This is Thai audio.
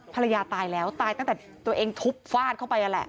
ภรรยาตายแล้วตายตั้งแต่ตัวเองทุบฟาดเข้าไปนั่นแหละ